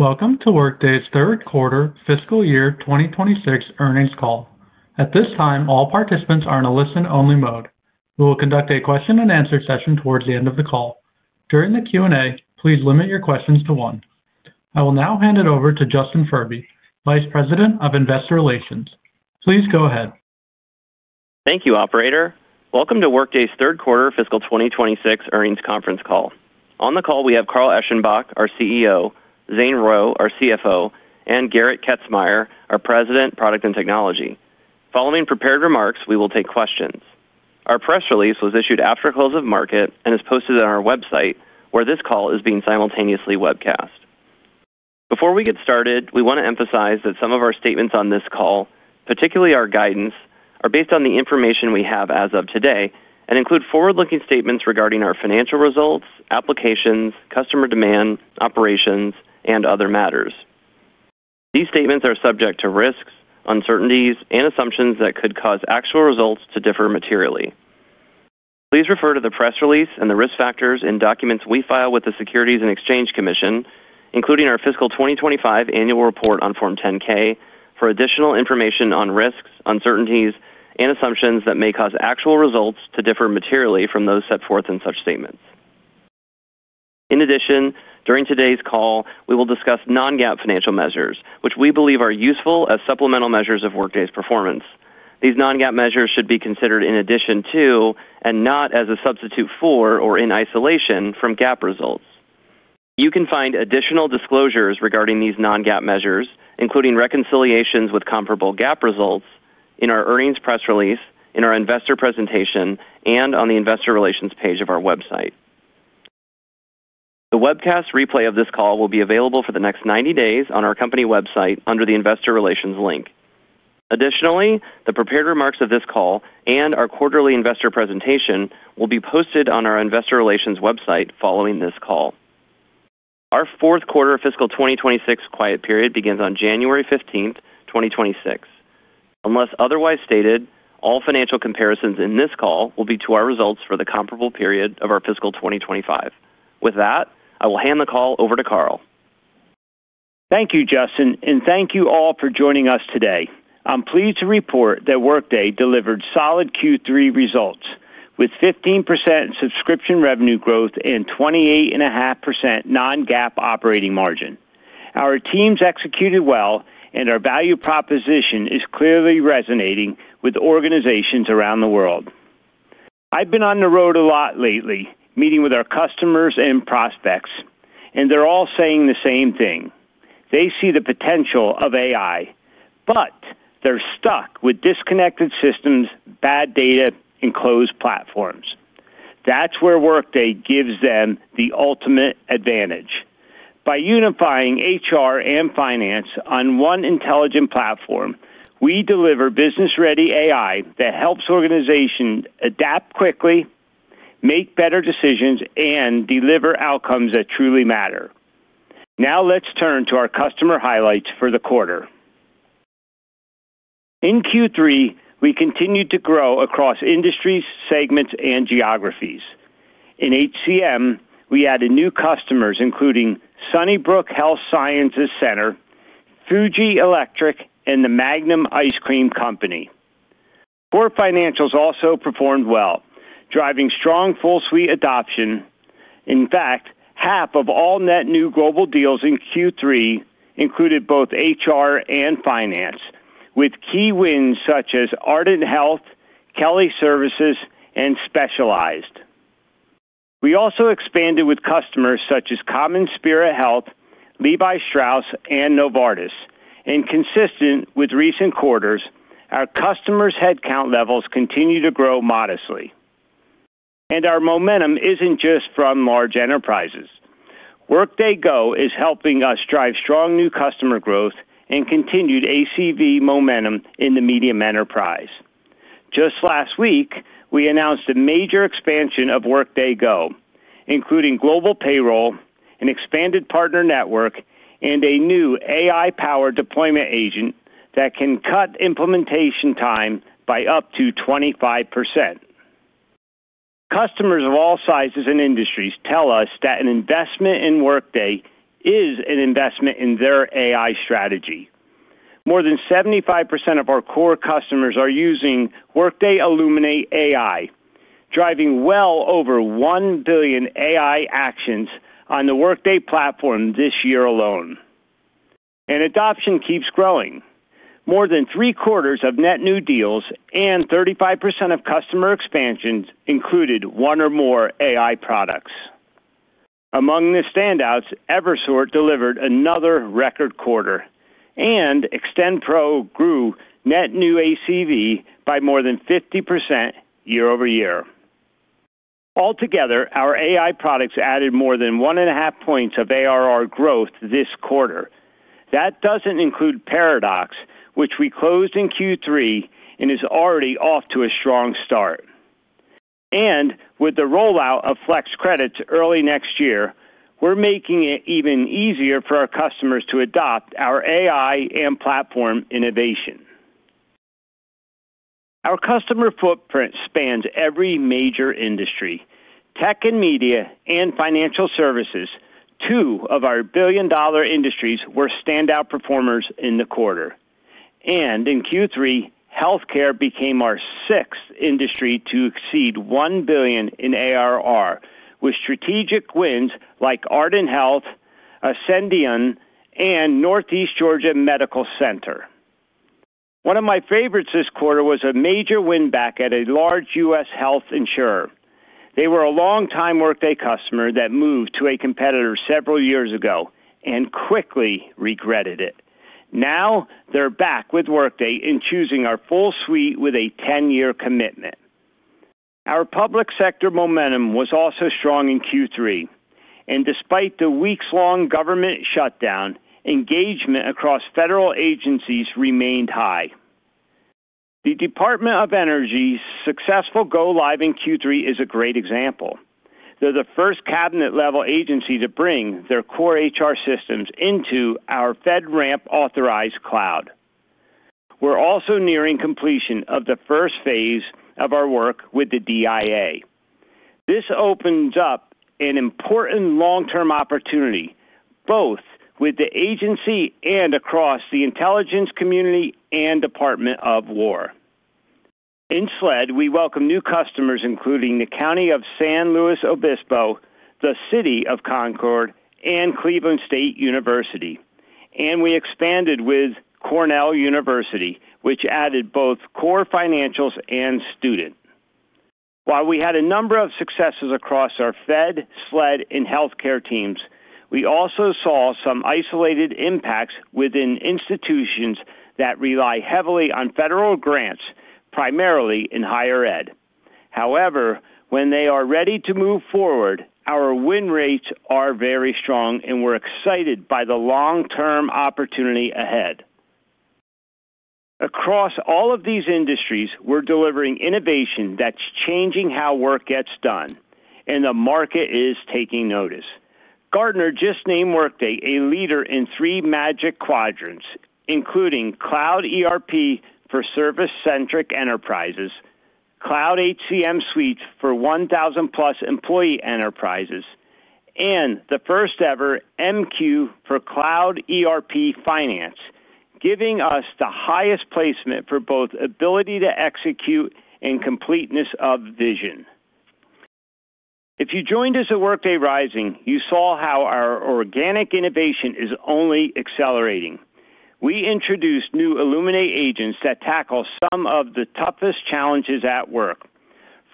Welcome to Workday's Third Quarter, Fiscal Year 2026 earnings call. At this time, all participants are in a listen-only mode. We will conduct a question-and-answer session towards the end of the call. During the Q&A, please limit your questions to one. I will now hand it over to Justin Furby, Vice President of Investor Relations. Please go ahead. Thank you, Operator. Welcome to Workday's Third Quarter, Fiscal 2026 earnings conference call. On the call, we have Carl Eschenbach, our CEO; Zane Rowe, our CFO; and Gerrit Kazmaier, our President, Product and Technology. Following prepared remarks, we will take questions. Our press release was issued after a close of market and is posted on our website, where this call is being simultaneously webcast. Before we get started, we want to emphasize that some of our statements on this call, particularly our guidance, are based on the information we have as of today and include forward-looking statements regarding our financial results, applications, customer demand, operations, and other matters. These statements are subject to risks, uncertainties, and assumptions that could cause actual results to differ materially. Please refer to the press release and the risk factors in documents we file with the Securities and Exchange Commission, including our Fiscal 2025 Annual Report on Form 10-K, for additional information on risks, uncertainties, and assumptions that may cause actual results to differ materially from those set forth in such statements. In addition, during today's call, we will discuss non-GAAP financial measures, which we believe are useful as supplemental measures of Workday's performance. These non-GAAP measures should be considered in addition to, and not as a substitute for or in isolation from GAAP results. You can find additional disclosures regarding these non-GAAP measures, including reconciliations with comparable GAAP results, in our earnings press release, in our investor presentation, and on the Investor Relations page of our website. The webcast replay of this call will be available for the next 90 days on our company website under the Investor Relations link. Additionally, the prepared remarks of this call and our quarterly investor presentation will be posted on our Investor Relations website following this call. Our Fourth Quarter of Fiscal 2026 quiet period begins on January 15th, 2026. Unless otherwise stated, all financial comparisons in this call will be to our results for the comparable period of our Fiscal 2025. With that, I will hand the call over to Carl. Thank you, Justin, and thank you all for joining us today. I'm pleased to report that Workday delivered solid Q3 results with 15% subscription revenue growth and 28.5% non-GAAP operating margin. Our teams executed well, and our value proposition is clearly resonating with organizations around the world. I've been on the road a lot lately, meeting with our customers and prospects, and they're all saying the same thing. They see the potential of AI, but they're stuck with disconnected systems, bad data, and closed platforms. That's where Workday gives them the ultimate advantage. By unifying HR and Finance on one Intelligent platform, we deliver business-ready AI that helps organizations adapt quickly, make better decisions, and deliver outcomes that truly matter. Now let's turn to our customer highlights for the quarter. In Q3, we continued to grow across industries, segments, and geographies. In HCM, we added new customers including Sunnybrook Health Sciences Center, Fuji Electric, and the Magnum Ice Cream Company. Core financials also performed well, driving strong full-suite adoption. In fact, half of all net new global deals in Q3 included both HR and finance, with key wins such as Arden Health, Kelly Services, and Specialized. We also expanded with customers such as CommonSpirit Health, Levi Strauss, and Novartis. Consistent with recent quarters, our customers' headcount levels continue to grow modestly. Our momentum is not just from large enterprises. Workday Go is helping us drive strong new customer growth and continued ACV momentum in the medium enterprise. Just last week, we announced a major expansion of Workday Go, including global payroll, an expanded partner network, and a new AI-powered deployment agent that can cut implementation time by up to 25%. Customers of all sizes and industries tell us that an investment in Workday is an investment in their AI strategy. More than 75% of our core customers are using Workday Illuminate AI, driving well over 1 billion AI actions on the Workday platform this year alone. Adoption keeps growing. More than three quarters of net new deals and 35% of customer expansions included one or more AI products. Among the standouts, Eversort delivered another record quarter, and ExtendPro grew net new ACV by more than 50% year-over-year. Altogether, our AI products added more than one and a half points of ARR growth this quarter. That does not include Paradox, which we closed in Q3 and is already off to a strong start. With the rollout of FlexCredits early next year, we are making it even easier for our customers to adopt our AI and platform innovation. Our customer footprint spans every major industry: Tech and Media and Financial Services. Two of our billion-dollar industries were standout performers in the quarter. In Q3, Healthcare became our sixth industry to exceed $1 billion in ARR with strategic wins like Arden Health, Ascendion, and Northeast Georgia Medical Center. One of my favorites this quarter was a major win back at a large U.S. health insurer. They were a longtime Workday customer that moved to a competitor several years ago and quickly regretted it. Now they're back with Workday and choosing our full suite with a 10-year commitment. Our public sector momentum was also strong in Q3. Despite the weeks-long government shutdown, engagement across federal agencies remained high. The Department of Energy's successful go-live in Q3 is a great example. They're the first cabinet-level agency to bring their core HR systems into our FedRAMP-authorized cloud. We're also nearing completion of the first phase of our work with the DIA. This opens up an important long-term opportunity, both with the agency and across the Intelligence Community and Department of War. In SLED, we welcome new customers, including the County of San Luis Obispo, the City of Concord, and Cleveland State University. We expanded with Cornell University, which added both Core Financials and Students. While we had a number of successes across our Fed, SLED, and Healthcare teams, we also saw some isolated impacts within institutions that rely heavily on federal grants, primarily in Higher Ed. However, when they are ready to move forward, our win rates are very strong, and we're excited by the long-term opportunity ahead. Across all of these industries, we're delivering innovation that's changing how work gets done, and the market is taking notice. Gartner just named Workday a Leader in three Magic Quadrants, including Cloud ERP for Service-Centric Enterprises, Cloud HCM suites for 1,000-Plus Employee Enterprises, and the first-ever MQ for Cloud ERP Finance, giving us the highest placement for both ability to execute and completeness of vision. If you joined us at Workday Rising, you saw how our organic innovation is only accelerating. We introduced new Illuminate Agents that tackle some of the toughest challenges at work,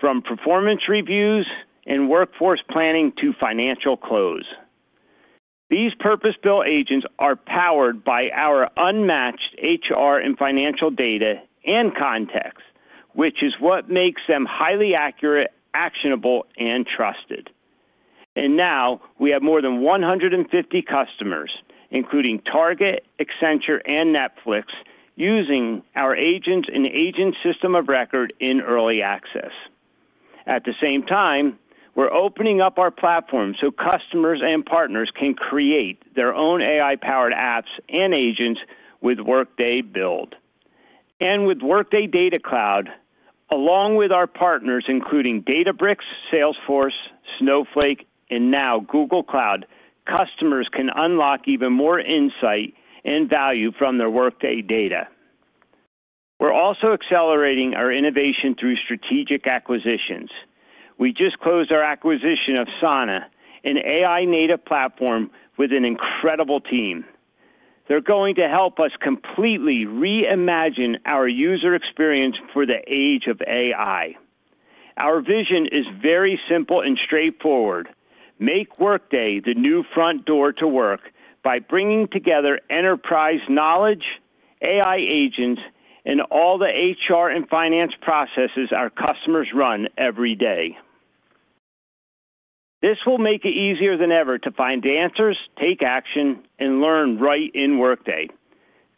from performance reviews and workforce planning to financial close. These purpose-built agents are powered by our unmatched HR and financial data and context, which is what makes them highly accurate, actionable, and trusted. Now we have more than 150 customers, including Target, Accenture, and Netflix, using our agents and Agent System of Record in early access. At the same time, we're opening up our platform so customers and partners can create their own AI-powered apps and agents with Workday Build. With Workday Data Cloud, along with our partners, including Databricks, Salesforce, Snowflake, and now Google Cloud, customers can unlock even more insight and value from their Workday data. We're also accelerating our innovation through strategic acquisitions. We just closed our acquisition of Sana, an AI-native platform with an incredible team. They're going to help us completely reimagine our user experience for the age of AI. Our vision is very simple and straightforward: make Workday the new front door to work by bringing together enterprise knowledge, AI agents, and all the HR and finance processes our customers run every day. This will make it easier than ever to find answers, take action, and learn right in Workday.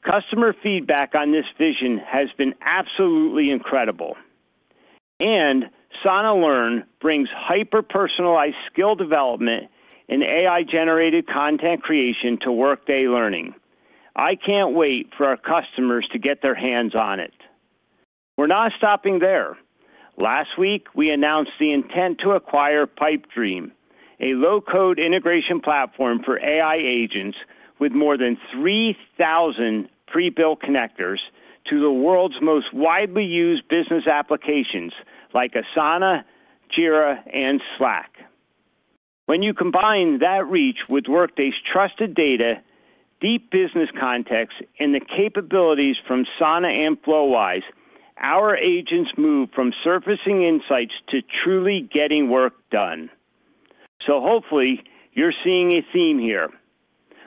Customer feedback on this vision has been absolutely incredible. Sana Learn brings hyper-personalized skill development and AI-generated content creation to Workday Learning. I can't wait for our customers to get their hands on it. We're not stopping there. Last week, we announced the intent to acquire Pipedream, a low-code integration platform for AI agents with more than 3,000 pre-built connectors to the world's most widely used business applications like Asana, Jira, and Slack. When you combine that reach with Workday's trusted data, deep business context, and the capabilities from Sana and FlowWise, our agents move from surfacing insights to truly getting work done. Hopefully, you're seeing a theme here.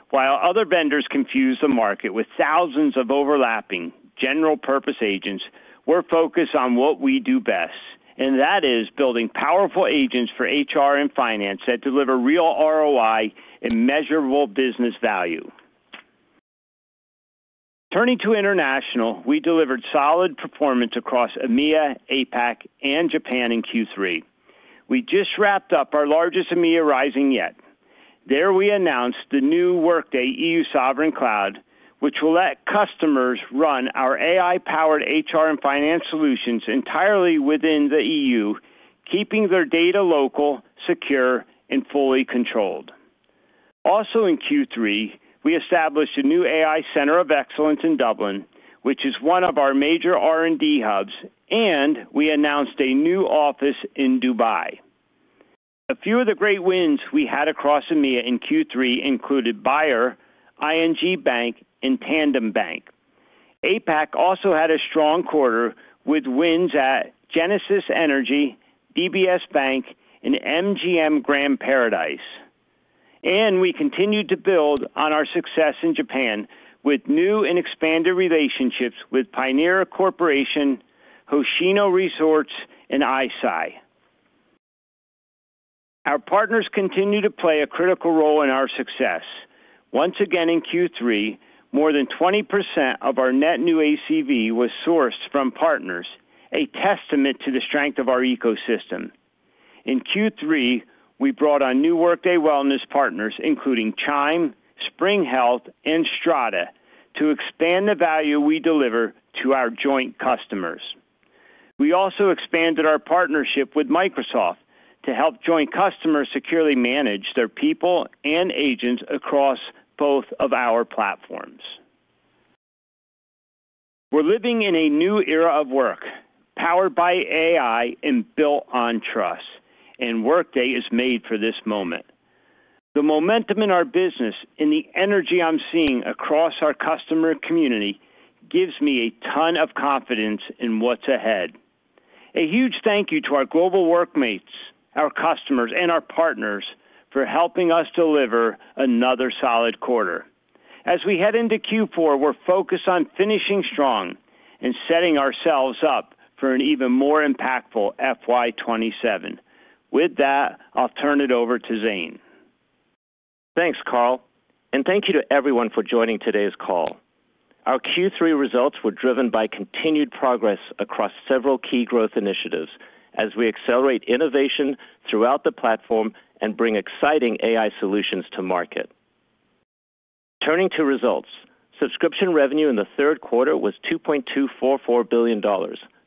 While other vendors confuse the market with thousands of overlapping general-purpose agents, we're focused on what we do best, and that is building powerful agents for HR and Finance that deliver real ROI and measurable business value. Turning to International, we delivered solid performance across EMEA, APAC, and Japan in Q3. We just wrapped up our largest EMEA Rising yet. There we announced the new Workday E.U. Sovereign Cloud, which will let customers run our AI-powered HR and Finance solutions entirely within the E.U., keeping their data local, secure, and fully controlled. Also in Q3, we established a new AI Center of Excellence in Dublin, which is one of our major R&D hubs, and we announced a new office in Dubai. A few of the great wins we had across EMEA in Q3 included Bayer, ING Bank, and Tandem Bank. APAC also had a strong quarter with wins at Genesis Energy, DBS Bank, and MGM Grand Paradise. We continued to build on our success in Japan with new and expanded relationships with Pioneer Corporation, Hoshino Resorts, and iSci. Our partners continue to play a critical role in our success. Once again in Q3, more than 20% of our net new ACV was sourced from partners, a testament to the strength of our ecosystem. In Q3, we brought on new Workday Wellness partners, including Chime, Spring Health, and Strada, to expand the value we deliver to our joint customers. We also expanded our partnership with Microsoft to help joint customers securely manage their people and agents across both of our platforms. We're living in a new era of work, powered by AI and built on trust, and Workday is made for this moment. The momentum in our business and the energy I'm seeing across our customer community gives me a ton of confidence in what's ahead. A huge thank you to our global workmates, our customers, and our partners for helping us deliver another solid quarter. As we head into Q4, we're focused on finishing strong and setting ourselves up for an even more impactful FY27. With that, I'll turn it over to Zane. Thanks, Carl. Thank you to everyone for joining today's call. Our Q3 results were driven by continued progress across several key growth initiatives as we accelerate innovation throughout the platform and bring exciting AI solutions to market. Turning to results, subscription revenue in the Third Quarter was $2.244 billion,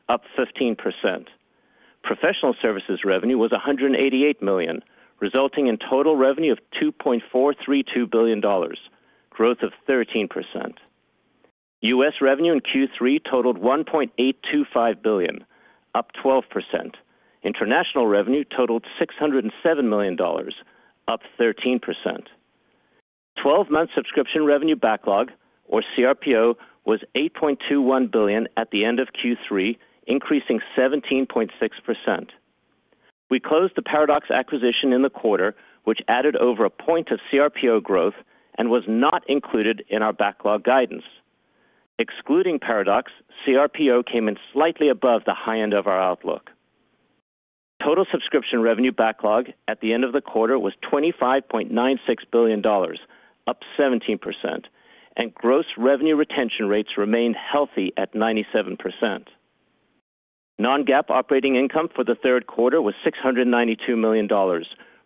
up 15%. Professional services revenue was $188 million, resulting in total revenue of $2.432 billion, growth of 13%. U.S. revenue in Q3 totaled $1.825 billion, up 12%. International revenue totaled $607 million, up 13%. The 12-month subscription revenue backlog, or CRPO, was $8.21 billion at the end of Q3, increasing 17.6%. We closed the Paradox acquisition in the quarter, which added over a point of CRPO growth and was not included in our backlog guidance. Excluding Paradox, CRPO came in slightly above the high end of our outlook. Total subscription revenue backlog at the end of the quarter was $25.96 billion, up 17%, and gross revenue retention rates remained healthy at 97%. Non-GAAP operating income for the Third Quarter was $692 million,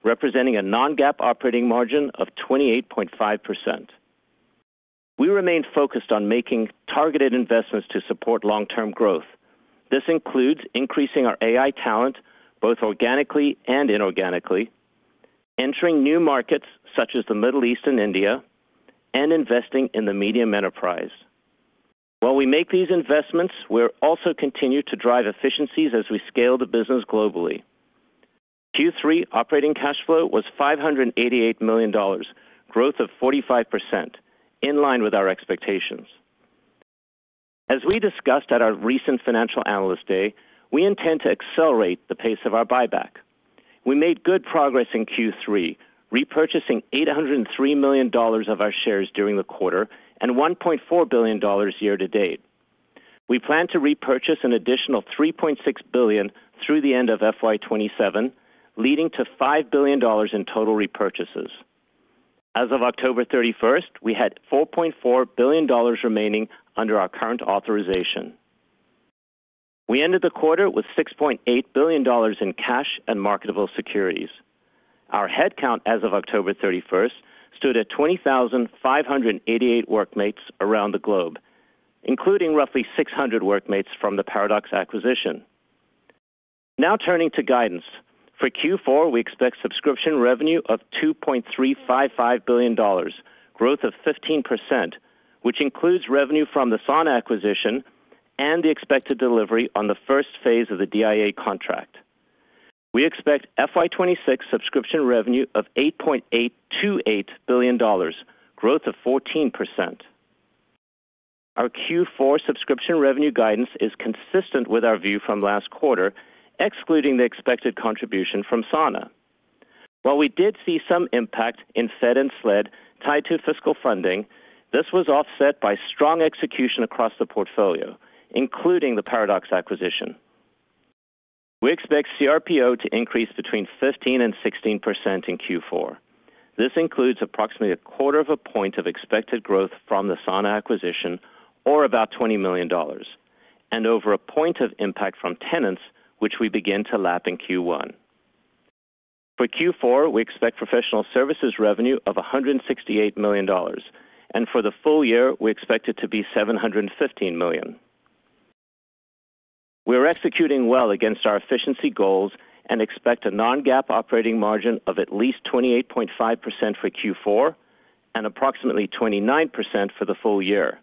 representing a non-GAAP operating margin of 28.5%. We remain focused on making targeted investments to support long-term growth. This includes increasing our AI talent, both organically and inorganically, entering new markets such as the Middle East and India, and investing in the medium enterprise. While we make these investments, we're also continuing to drive efficiencies as we scale the business globally. Q3 operating cash flow was $588 million, growth of 45%, in line with our expectations. As we discussed at our recent Financial Analyst Day, we intend to accelerate the pace of our buyback. We made good progress in Q3, repurchasing $803 million of our shares during the quarter and $1.4 billion year-to-date. We plan to repurchase an additional $3.6 billion through the end of FY27, leading to $5 billion in total repurchases. As of October 31st, we had $4.4 billion remaining under our current authorization. We ended the quarter with $6.8 billion in cash and marketable securities. Our headcount as of October 31st stood at 20,588 workmates around the globe, including roughly 600 workmates from the Paradox acquisition. Now turning to guidance. For Q4, we expect subscription revenue of $2.355 billion, growth of 15%, which includes revenue from the Sana acquisition and the expected delivery on the first phase of the DIA contract. We expect FY26 subscription revenue of $8.828 billion, growth of 14%. Our Q4 subscription revenue guidance is consistent with our view from last quarter, excluding the expected contribution from Sana. While we did see some impact in Fed and SLED tied to fiscal funding, this was offset by strong execution across the portfolio, including the Paradox acquisition. We expect CRPO to increase between 15% and 16% in Q4. This includes approximately a quarter of a point of expected growth from the Sana acquisition, or about $20 million, and over a point of impact from tenants, which we begin to lap in Q1. For Q4, we expect professional services revenue of $168 million, and for the full year, we expect it to be $715 million. We're executing well against our efficiency goals and expect a non-GAAP operating margin of at least 28.5% for Q4 and approximately 29% for the full year.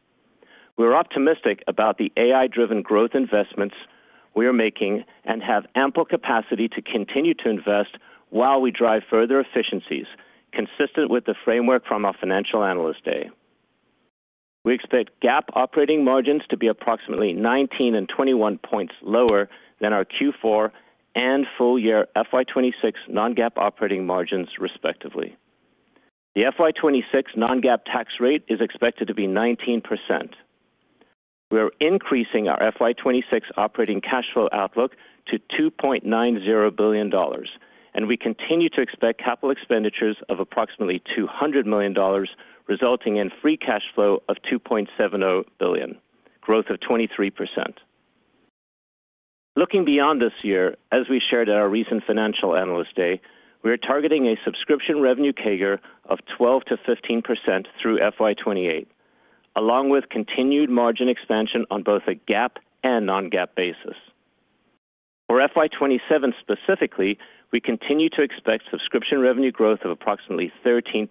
We're optimistic about the AI-driven growth investments we are making and have ample capacity to continue to invest while we drive further efficiencies, consistent with the framework from our Financial Analyst Day. We expect GAAP operating margins to be approximately 19 and 21 percentage points lower than our Q4 and full year FY26 non-GAAP operating margins, respectively. The FY26 non-GAAP tax rate is expected to be 19%. We're increasing our FY26 operating cash flow outlook to $2.90 billion, and we continue to expect capital expenditures of approximately $200 million, resulting in free cash flow of $2.70 billion, growth of 23%. Looking beyond this year, as we shared at our recent Financial Analyst Day, we are targeting a subscription revenue CAGR of 12%-15% through FY28, along with continued margin expansion on both a GAAP and non-GAAP basis. For FY27 specifically, we continue to expect subscription revenue growth of approximately 13%,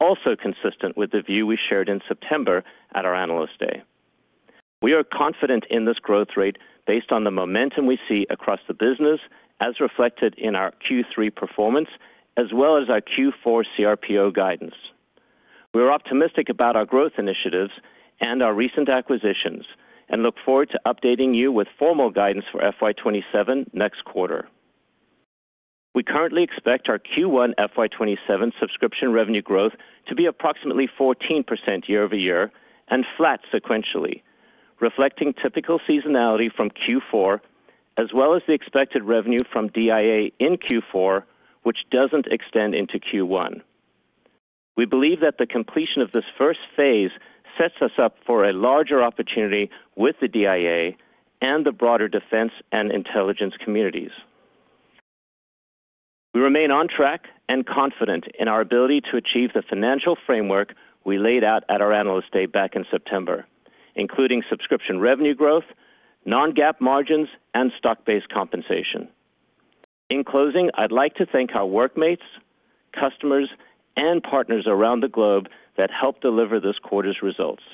also consistent with the view we shared in September at our Analyst Day. We are confident in this growth rate based on the momentum we see across the business, as reflected in our Q3 performance, as well as our Q4 CRPO guidance. We're optimistic about our growth initiatives and our recent acquisitions and look forward to updating you with formal guidance for FY27 next quarter. We currently expect our Q1 FY27 subscription revenue growth to be approximately 14% year over year and flat sequentially, reflecting typical seasonality from Q4, as well as the expected revenue from DIA in Q4, which doesn't extend into Q1. We believe that the completion of this first phase sets us up for a larger opportunity with the DIA and the broader Defense and Intelligence communities. We remain on track and confident in our ability to achieve the financial framework we laid out at our Analyst Day back in September, including subscription revenue growth, non-GAAP margins, and stock-based compensation. In closing, I'd like to thank our workmates, customers, and partners around the globe that helped deliver this quarter's results.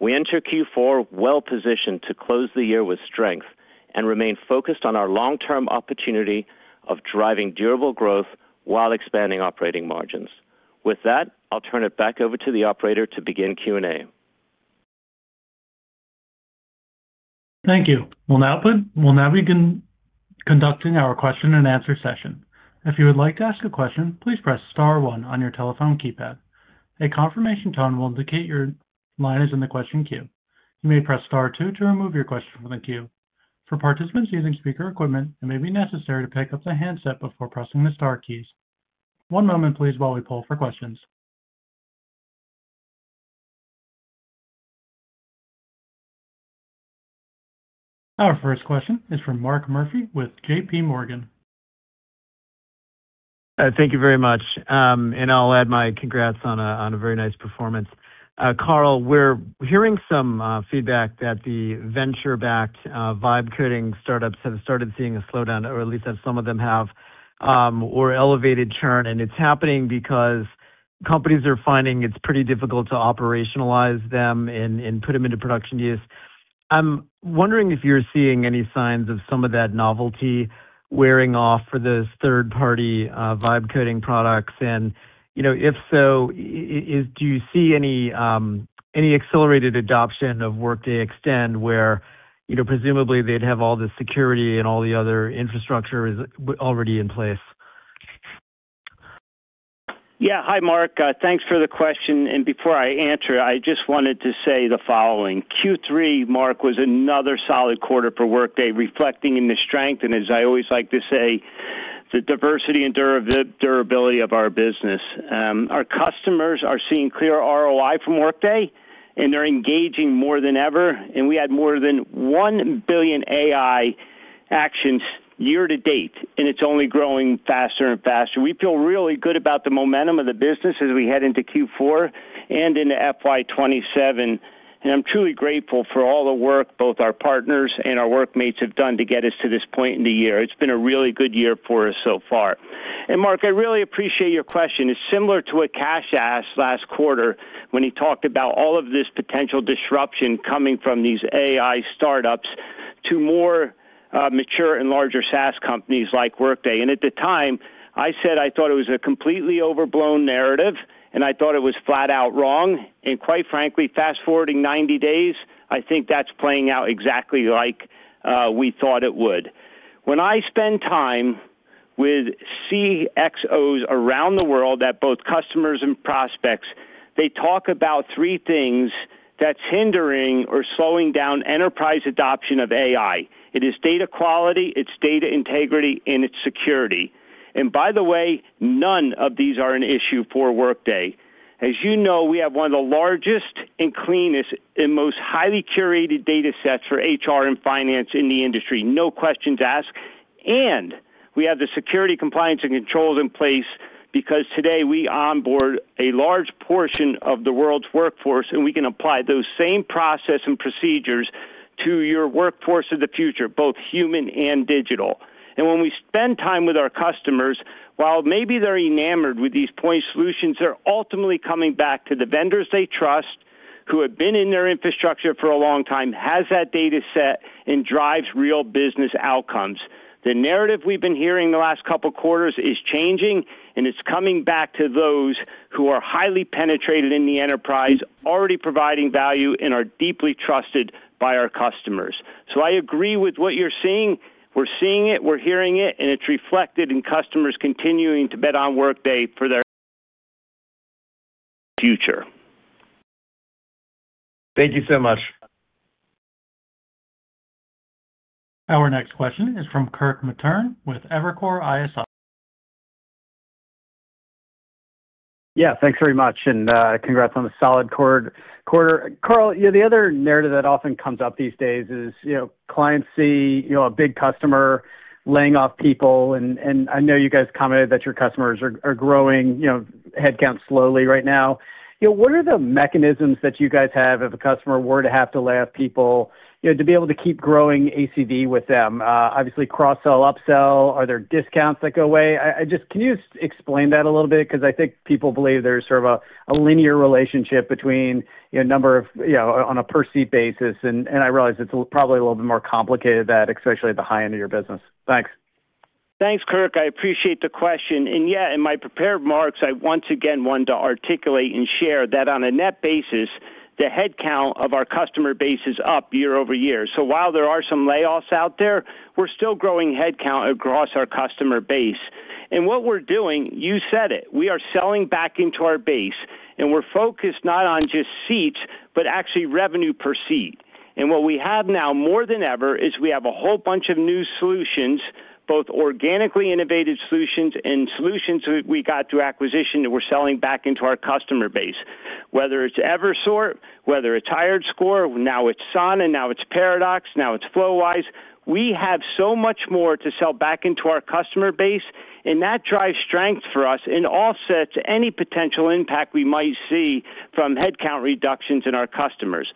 We enter Q4 well-positioned to close the year with strength and remain focused on our long-term opportunity of driving durable growth while expanding operating margins. With that, I'll turn it back over to the operator to begin Q&A. Thank you. We'll now begin conducting our question-and-answer session. If you would like to ask a question, please press star one on your telephone keypad. A confirmation tone will indicate your line is in the question queue. You may press star two to remove your question from the queue. For participants using speaker equipment, it may be necessary to pick up the handset before pressing the star keys. One moment, please, while we pull for questions. Our first question is from Mark Murphy with J.P. Morgan. Thank you very much. I will add my congrats on a very nice performance. Carl, we're hearing some feedback that the venture-backed vibe-coding startups have started seeing a slowdown, or at least that some of them have, or elevated churn. It is happening because companies are finding it is pretty difficult to operationalize them and put them into production use. I am wondering if you're seeing any signs of some of that novelty wearing off for those third-party vibe-coding products. If so, do you see any accelerated adoption of Workday Extend, where presumably they'd have all the security and all the other infrastructure already in place? Yeah. Hi, Mark. Thanks for the question. Before I answer, I just wanted to say the following. Q3, Mark, was another solid quarter for Workday, reflecting in the strength, and as I always like to say, the diversity and durability of our business. Our customers are seeing clear ROI from Workday, and they're engaging more than ever. We had more than 1 billion AI actions year-to-date, and it's only growing faster and faster. We feel really good about the momentum of the business as we head into Q4 and into FY27. I'm truly grateful for all the work both our partners and our workmates have done to get us to this point in the year. It's been a really good year for us so far. Mark, I really appreciate your question. It's similar to what Kash asked last quarter when he talked about all of this potential disruption coming from these AI startups to more mature and larger SaaS companies like Workday. At the time, I said I thought it was a completely overblown narrative, and I thought it was flat-out wrong. Quite frankly, fast-forwarding 90 days, I think that's playing out exactly like we thought it would. When I spend time with CXOs around the world, at both customers and prospects, they talk about three things that's hindering or slowing down enterprise adoption of AI. It is data quality, it's data integrity, and it's security. By the way, none of these are an issue for Workday. As you know, we have one of the largest and cleanest and most highly curated data sets for HR and Finance in the industry, no questions asked. We have the security compliance and controls in place because today we onboard a large portion of the world's workforce, and we can apply those same processes and procedures to your workforce of the future, both human and digital. When we spend time with our customers, while maybe they're enamored with these point solutions, they're ultimately coming back to the vendors they trust, who have been in their infrastructure for a long time, have that data set and drive real business outcomes. The narrative we've been hearing the last couple of quarters is changing, and it's coming back to those who are highly penetrated in the enterprise, already providing value, and are deeply trusted by our customers. I agree with what you're seeing. We're seeing it, we're hearing it, and it's reflected in customers continuing to bet on Workday for their future. Thank you so much. Our next question is from Kirk Materne with Evercore ISI. Yeah. Thanks very much, and congrats on the solid quarter. Carl, the other narrative that often comes up these days is clients see a big customer laying off people. And I know you guys commented that your customers are growing headcount slowly right now. What are the mechanisms that you guys have if a customer were to have to lay off people to be able to keep growing ACV with them? Obviously, cross-sell, upsell, are there discounts that go away? Can you explain that a little bit? Because I think people believe there's sort of a linear relationship between number of on a per-seat basis. And I realize it's probably a little bit more complicated that, especially at the high end of your business. Thanks. Thanks, Kirk. I appreciate the question. Yeah, in my prepared marks, I once again want to articulate and share that on a net basis, the headcount of our customer base is up year-over-year. While there are some layoffs out there, we're still growing headcount across our customer base. What we're doing, you said it, we are selling back into our base. We're focused not on just seats, but actually revenue per seat. What we have now more than ever is we have a whole bunch of new solutions, both organically innovative solutions and solutions we got through acquisition that we're selling back into our customer base. Whether it's Eversort, whether it's HiredScore, now it's Sana, now it's Paradox, now it's FlowWise, we have so much more to sell back into our customer base. That drives strength for us and offsets any potential impact we might see from headcount reductions in our customers.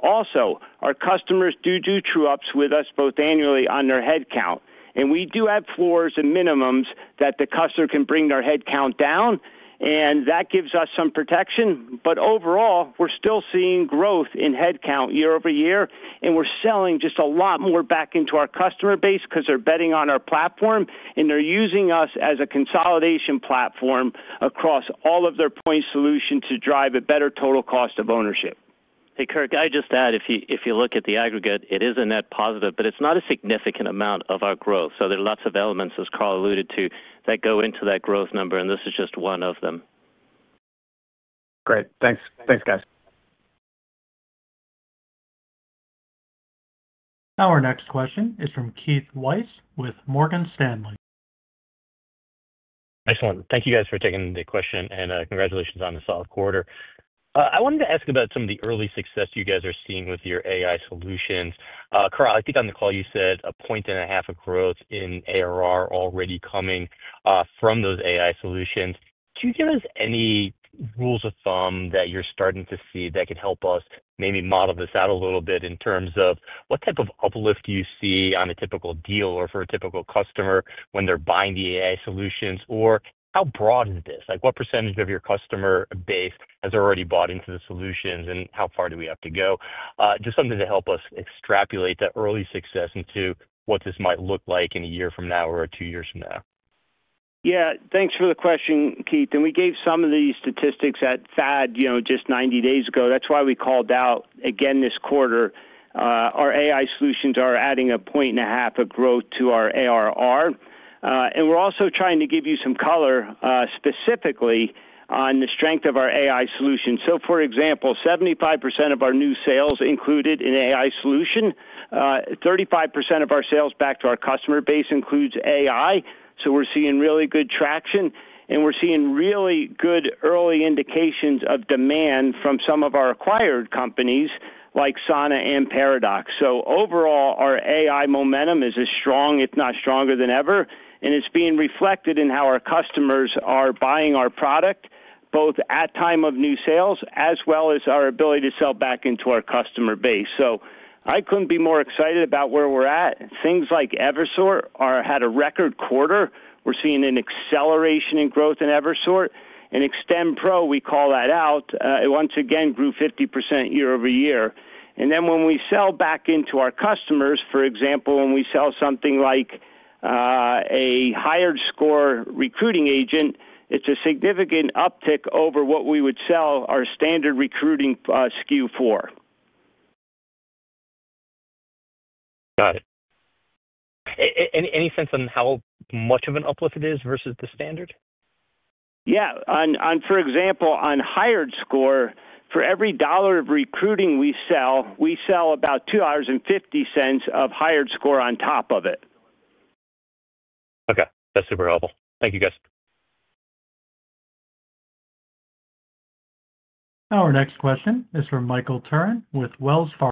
Also, our customers do do true-ups with us both annually on their headcount. We do have floors and minimums that the customer can bring their headcount down, and that gives us some protection. Overall, we're still seeing growth in headcount year-over-year, and we're selling just a lot more back into our customer base because they're betting on our platform, and they're using us as a consolidation platform across all of their point solutions to drive a better total cost of ownership. Hey, Kirk, I just add, if you look at the aggregate, it is a net positive, but it's not a significant amount of our growth. There are lots of elements, as Carl alluded to, that go into that growth number, and this is just one of them. Great. Thanks, guys. Our next question is from Keith Weiss with Morgan Stanley. Excellent. Thank you, guys, for taking the question, and congratulations on the solid quarter. I wanted to ask about some of the early success you guys are seeing with your AI solutions. Carl, I think on the call you said a point and a half of growth in ARR already coming from those AI solutions. Can you give us any rules of thumb that you're starting to see that could help us maybe model this out a little bit in terms of what type of uplift do you see on a typical deal or for a typical customer when they're buying the AI solutions? Or how broad is this? What percentage of your customer base has already bought into the solutions, and how far do we have to go? Just something to help us extrapolate that early success into what this might look like in a year from now or two years from now. Yeah. Thanks for the question, Keith. We gave some of these statistics at FAD just 90 days ago. That is why we called out again this quarter. Our AI solutions are adding a point and a half of growth to our ARR. We are also trying to give you some color specifically on the strength of our AI solution. For example, 75% of our new sales included an AI solution, 35% of our sales back to our customer base includes AI. We're seeing really good traction, and we're seeing really good early indications of demand from some of our acquired companies like Sana and Paradox. Overall, our AI momentum is as strong, if not stronger than ever, and it's being reflected in how our customers are buying our product, both at time of new sales as well as our ability to sell back into our customer base. I couldn't be more excited about where we're at. Things like Eversort had a record quarter. We're seeing an acceleration in growth in Eversort. ExtendPro, we call that out, once again grew 50% year-over-year. When we sell back into our customers, for example, when we sell something like a HiredScore Recruiting Agent, it's a significant uptick over what we would sell our standard Recruiting SKU for. Got it. Any sense on how much of an uplift it is versus the standard? Yeah. For example, on HiredScore, for every dollar of recruiting we sell, we sell about $2.50 of HiredScore on top of it. Okay. That's super helpful. Thank you, guys. Our next question is from Michael Turrin with Wells Fargo.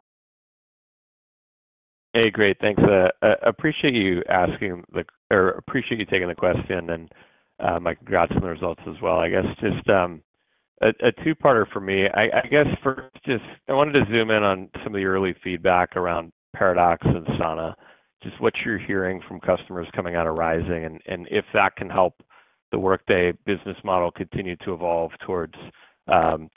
Hey, great. Thanks. I appreciate you asking the or appreciate you taking the question, and my congrats on the results as well. I guess just a two-parter for me. I guess first, I wanted to zoom in on some of the early feedback around Paradox and Sana, just what you're hearing from customers coming out of Rising and if that can help the Workday business model continue to evolve towards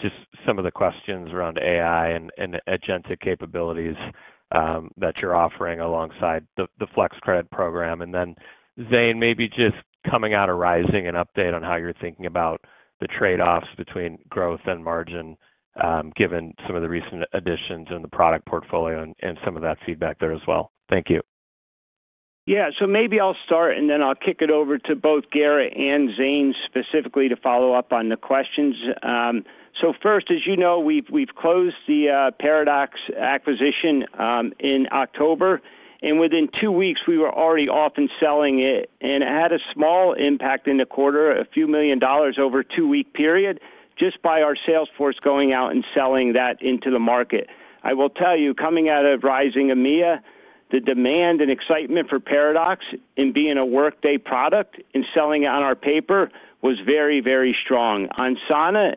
just some of the questions around AI and agentic capabilities that you're offering alongside the FlexCredit program. Zane, maybe just coming out of Rising, an update on how you're thinking about the trade-offs between growth and margin given some of the recent additions in the product portfolio and some of that feedback there as well. Thank you. Yeah. Maybe I'll start, and then I'll kick it over to both Gerrit and Zane specifically to follow up on the questions. First, as you know, we've closed the Paradox acquisition in October, and within two weeks, we were already off and selling it. It had a small impact in the quarter, a few million dollars over a two-week period, just by our sales force going out and selling that into the market. I will tell you, coming out of Rising EMEA, the demand and excitement for Paradox in being a Workday product and selling it on our paper was very, very strong. On Sana,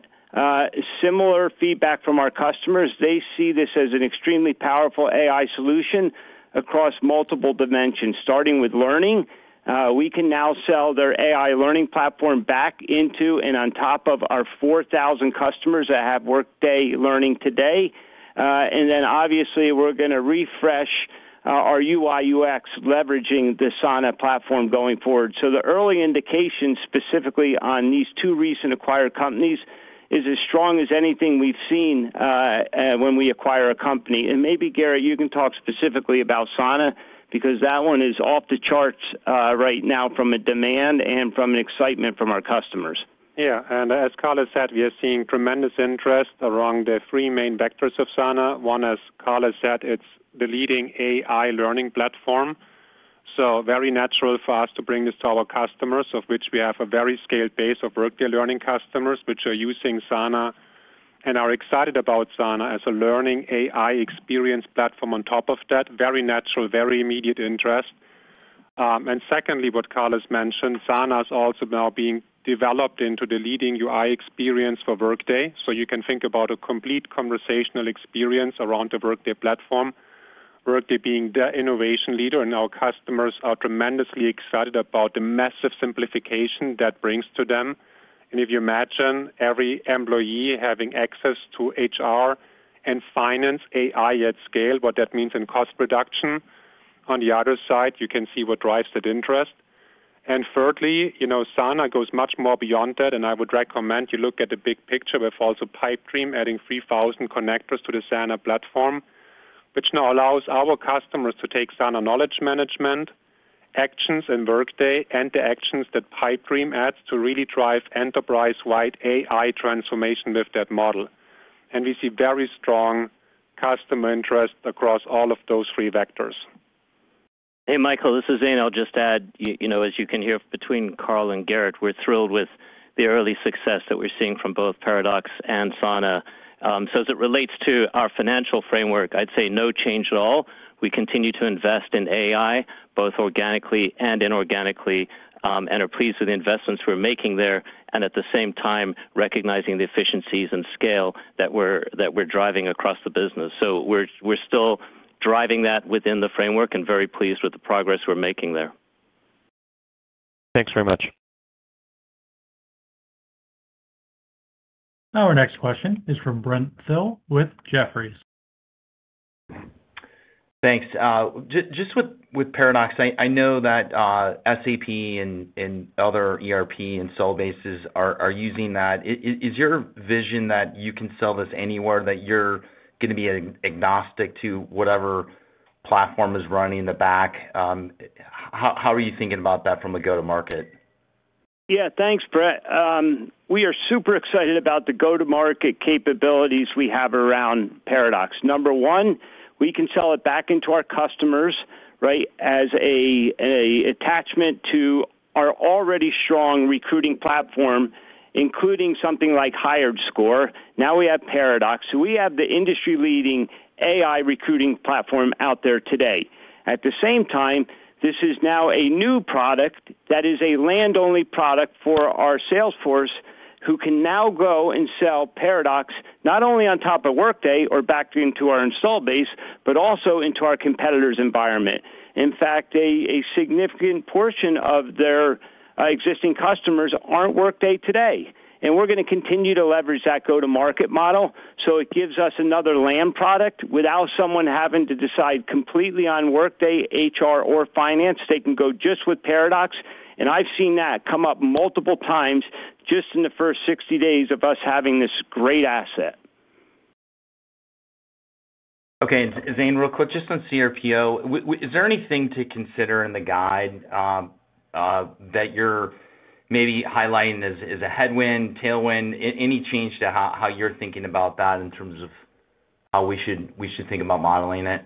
similar feedback from our customers. They see this as an extremely powerful AI solution across multiple dimensions, starting with learning. We can now sell their AI learning platform back into and on top of our 4,000 customers that have Workday Learning today. Obviously, we're going to refresh our UI/UX leveraging the Sana platform going forward. The early indication specifically on these two recent acquired companies is as strong as anything we've seen when we acquire a company. Maybe, Gerrit, you can talk specifically about Sana because that one is off the charts right now from a demand and from an excitement from our customers. Yeah. As Carl has said, we are seeing tremendous interest around the three main vectors of Sana. One is, as Carl has said, it's the leading AI learning platform is very natural for us to bring this to our customers, of which we have a very scaled base of Workday Learning customers which are using Sana and are excited about Sana as a Learning AI Experience Platform on top of that. Very natural, very immediate interest. Secondly, what Carl has mentioned, SANA is also now being developed into the leading UI experience for Workday. You can think about a complete conversational experience around the Workday platform, Workday being the Innovation Leader. Our customers are tremendously excited about the massive simplification that brings to them. If you imagine every employee having access to HR and Finance AI at scale, what that means in cost reduction. On the other side, you can see what drives that interest. Thirdly, Sana goes much more beyond that. I would recommend you look at the big picture with also Pipedream adding 3,000 connectors to the Sana platform, which now allows our customers to take Sana knowledge management actions in Workday and the actions that Pipedream adds to really drive enterprise-wide AI transformation with that model. We see very strong customer interest across all of those three vectors. Hey, Michael, this is Zane. I'll just add, as you can hear between Carl and Gerrit, we're thrilled with the early success that we're seeing from both Paradox and Sana. As it relates to our Financial Framework, I'd say no change at all. We continue to invest in AI, both organically and inorganically, and are pleased with the investments we're making there. At the same time, recognizing the efficiencies and scale that we're driving across the business. We're still driving that within the Framework and very pleased with the progress we're making there. Thanks very much. Our next question is from Brent Thill with Jefferies. Thanks. Just with Paradox, I know that SAP and other ERP and sole bases are using that. Is your vision that you can sell this anywhere, that you're going to be agnostic to whatever platform is running in the back? How are you thinking about that from a go-to-market? Yeah. Thanks, Brent. We are super excited about the go-to-market capabilities we have around Paradox. Number one, we can sell it back into our customers as an attachment to our already strong recruiting platform, including something like HiredScore. Now we have Paradox. So we have the industry-leading AI recruiting platform out there today. At the same time, this is now a new product that is a land-only product for our sales force who can now go and sell Paradox not only on top of Workday or back into our install base, but also into our competitor's environment. In fact, a significant portion of their existing customers aren't Workday today. We're going to continue to leverage that go-to-market model. It gives us another land product without someone having to decide completely on Workday, HR, or Finance. They can go just with Paradox. I've seen that come up multiple times just in the first 60 days of us having this great asset. Okay. Zane, real quick, just on CRPO, is there anything to consider in the guide that you're maybe highlighting as a headwind, tailwind, any change to how you're thinking about that in terms of how we should think about modeling it?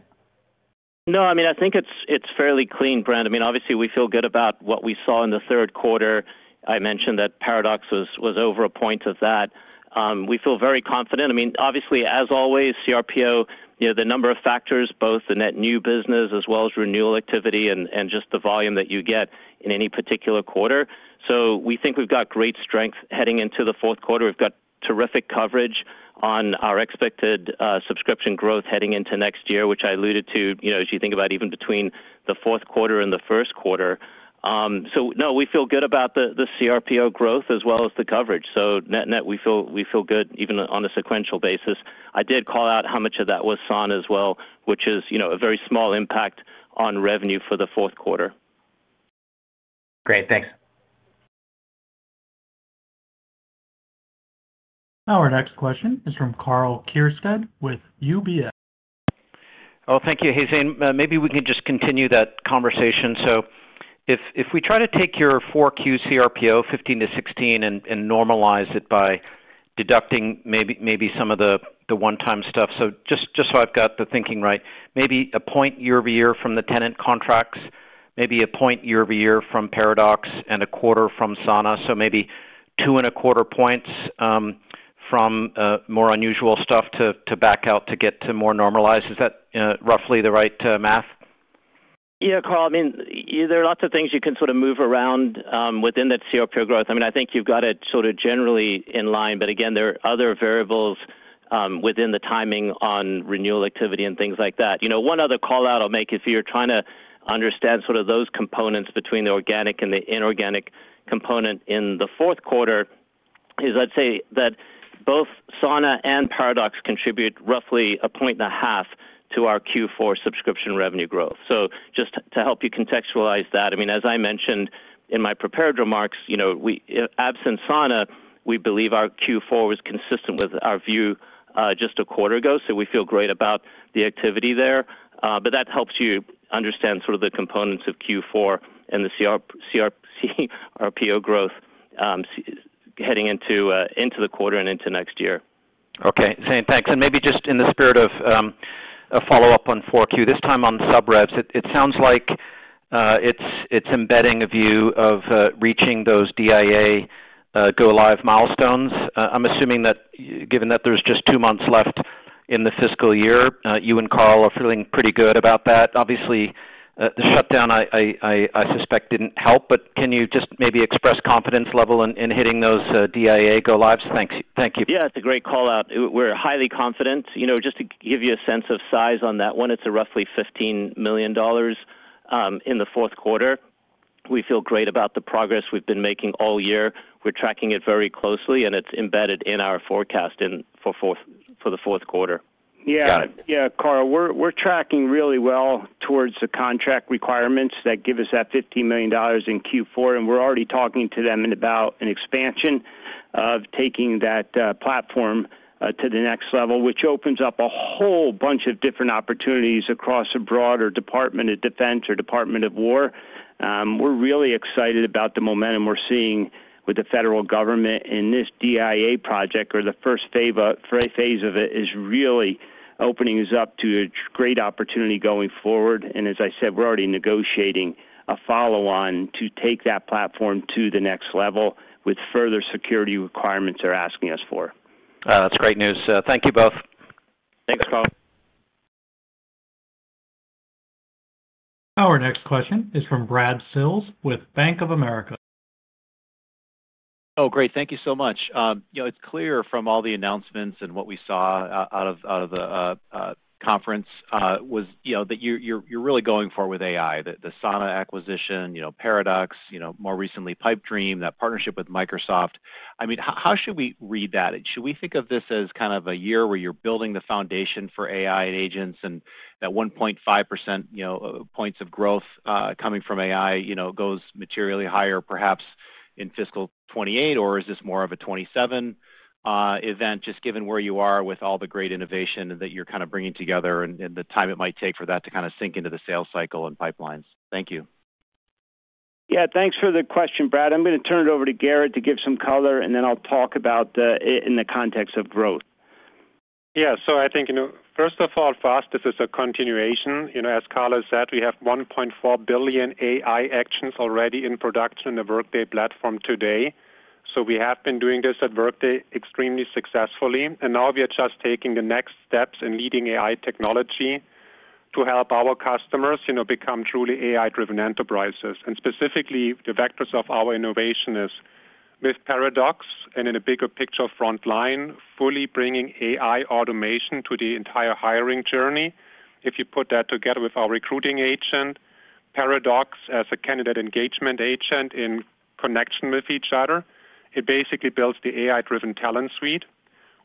No, I mean, I think it's fairly clean, Brent. I mean, obviously, we feel good about what we saw in the Third Quarter. I mentioned that Paradox was over a point of that. We feel very confident. I mean, obviously, as always, CRPO, the number of factors, both the net new business as well as renewal activity and just the volume that you get in any particular quarter. We think we've got great strength heading into the Fourth Quarter. We've got terrific coverage on our expected subscription growth heading into next year, which I alluded to as you think about even between the Fourth Quarter and the First Quarter. No, we feel good about the CRPO growth as well as the coverage. Net net, we feel good even on a sequential basis. I did call out how much of that was Sana as well, which is a very small impact on revenue for the Fourth Quarter. Great. Thanks. Our next question is from Karl Keirstead with UBS. Thank you. Hey, Zane, maybe we can just continue that conversation. If we try to take your Fourth Quarter CRPO, 15% to 16%, and normalize it by deducting maybe some of the one-time stuff. Just so I have the thinking right, maybe a point year-over-year from the tenant contracts, maybe a point year-over-year from Paradox, and a quarter from Sana. Maybe two and a quarter points from more unusual stuff to back out to get to more normalized. Is that roughly the right math? Yeah, Karl. I mean, there are lots of things you can sort of move around within that CRPO growth. I mean, I think you've got it sort of generally in line. There are other variables within the timing on renewal activity and things like that. One other call-out I'll make if you're trying to understand sort of those components between the organic and the inorganic component in the Fourth Quarter is I'd say that both Sana and Paradox contribute roughly a point and a half to our Q4 subscription revenue growth. Just to help you contextualize that, I mean, as I mentioned in my prepared remarks, absent Sana, we believe our Q4 was consistent with our view just a quarter ago. We feel great about the activity there. That helps you understand sort of the components of Q4 and the CRPO growth heading into the quarter and into next year. Okay. Zane, thanks. Maybe just in the spirit of a follow-up on Q4, this time on sub revs, it sounds like it's embedding a view of reaching those DIA go-live milestones. I'm assuming that given that there's just two months left in the Fiscal Year, you and Carl are feeling pretty good about that. Obviously, the shutdown, I suspect, didn't help. Can you just maybe express confidence level in hitting those DIA go-lives? Thank you. Yeah. It's a great call-out. We're highly confident. Just to give you a sense of size on that one, it's a roughly $15 million in the Fourth Quarter. We feel great about the progress we've been making all year. We're tracking it very closely, and it's embedded in our forecast for the Fourth Quarter. Yeah. Yeah, Karl. We're tracking really well towards the contract requirements that give us that $15 million in Q4. We're already talking to them about an expansion of taking that platform to the next level, which opens up a whole bunch of different opportunities across a broader Department of Defense or Department of War. We're really excited about the momentum we're seeing with the Federal Government in this DIA project or the first phase of it is really opening us up to a great opportunity going forward. As I said, we're already negotiating a follow-on to take that platform to the next level with further security requirements they're asking us for. That's great news. Thank you both. Thanks, Karl. Our next question is from Brad Sills with Bank of America. Oh, great. Thank you so much. It's clear from all the announcements and what we saw out of the conference was that you're really going forward with AI, the Sana acquisition, Paradox, more recently Pipedream, that partnership with Microsoft. I mean, how should we read that? Should we think of this as kind of a year where you're building the foundation for AI and agents and that 1.5% points of growth coming from AI goes materially higher perhaps in Fiscal 2028? Or is this more of a 2027 event just given where you are with all the great innovation that you're kind of bringing together and the time it might take for that to kind of sink into the sales cycle and pipelines? Thank you. Yeah. Thanks for the question, Brad. I'm going to turn it over to Gerrit to give some color, and then I'll talk about it in the context of growth. Yeah. I think, first of all, for us, this is a continuation. As Carl has said, we have 1.4 billion AI actions already in production in the Workday platform today. We have been doing this at Workday extremely successfully. Now we are just taking the next steps in leading AI technology to help our customers become truly AI-driven enterprises. Specifically, the vectors of our innovation is with Paradox and in a bigger picture frontline, fully bringing AI automation to the entire hiring journey. If you put that together with our Recruiting Agent, Paradox as a Candidate Engagement Agent in connection with each other, it basically builds the AI-driven Talent Suite.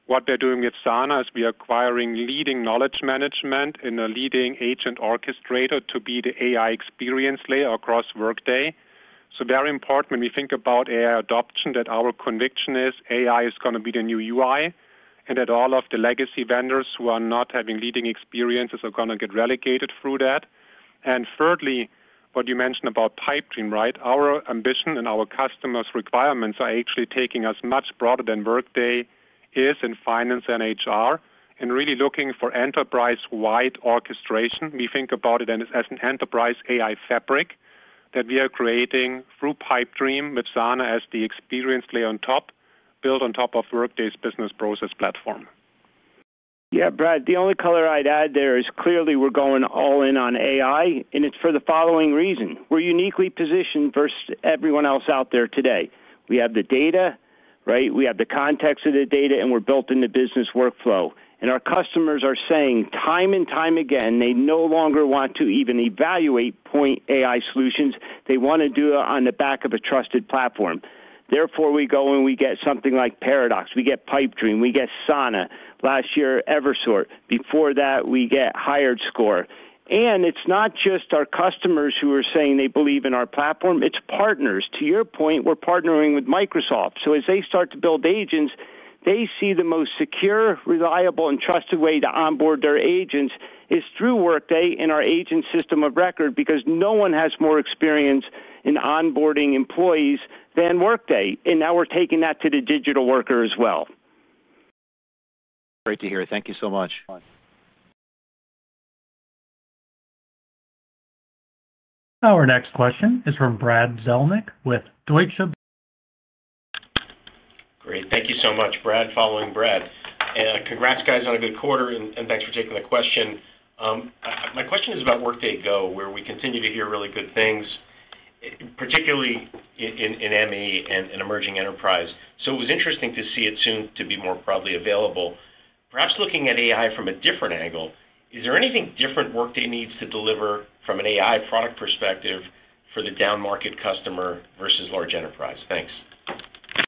What they're doing with Sana is we are acquiring leading knowledge management and a leading Agent Orchestrator to be the AI Experience Layer across Workday. Very important when we think about AI adoption that our conviction is AI is going to be the new UI and that all of the legacy vendors who are not having leading experiences are going to get relegated through that. Thirdly, what you mentioned about Pipedream, right? Our ambition and our customers' requirements are actually taking us much broader than Workday is in Finance and HR and really looking for enterprise-wide orchestration. We think about it as an Enterprise AI Fabric that we are creating through Pipedream with Sana as the experience layer on top built on top of Workday's Business Process Platform. Yeah, Brad, the only color I'd add there is clearly we're going all in on AI. It's for the following reason. We're uniquely positioned versus everyone else out there today. We have the data, right? We have the context of the data, and we're built into business workflow. Our customers are saying time and time again, they no longer want to even evaluate point AI solutions. They want to do it on the back of a trusted platform. Therefore, we go and we get something like Paradox. We get Pipedream. We get Sana, last year, Eversort. Before that, we get HiredScore. It's not just our customers who are saying they believe in our platform. It's partners. To your point, we're partnering with Microsoft. As they start to build agents, they see the most secure, reliable, and trusted way to onboard their agents is through Workday and our agent system of record because no one has more experience in onboarding employees than Workday. Now we're taking that to the digital worker as well. Great to hear. Thank you so much. Our next question is from Brad Zelnick with Deutsche. Great. Thank you so much, Brad following Brad. Congrats, guys, on a good quarter. Thanks for taking the question. My question is about Workday Go, where we continue to hear really good things, particularly in ME and Emerging Enterprise. It was interesting to see it soon to be more broadly available. Perhaps looking at AI from a different angle, is there anything different Workday needs to deliver from an AI product perspective for the down-market customer versus Large Enterprise? Thanks.